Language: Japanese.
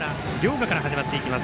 河から始まっていきます